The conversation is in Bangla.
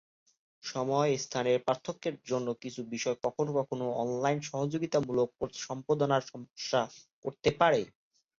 সময়-স্থানের পার্থক্যের জন্য কিছু বিষয় কখনো কখনো অনলাইন সহযোগিতামূলক সম্পাদনায় সমস্যা করতে পারে।